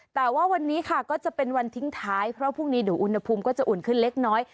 แต่ว่าวันนี้ค่ะก็จะเป็นวันทิ้งท้ายเพราะพรุ่งนี้เดี๋ยวอุณหภูมิก็จะอุ่นขึ้นเล็กน้อย